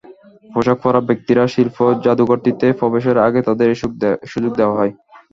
পোশাক পরা ব্যক্তিরা শিল্প জাদুঘরটিতে প্রবেশের আগে তাঁদের এই সুযোগ দেওয়া হয়।